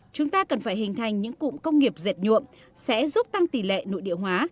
chúng ta cần phải hình thành những cụm công nghiệp dệt nhuộm sẽ giúp tăng tỷ lệ nội địa hóa